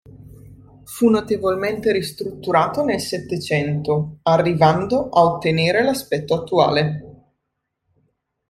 Fu notevolmente ristrutturato nel Settecento, arrivando a ottenere l'aspetto attuale.